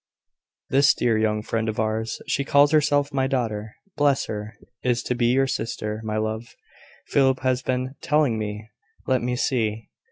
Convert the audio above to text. "This dear young friend of ours, she calls herself my daughter, bless her! is to be your sister, my love. Philip has been telling me . Let me see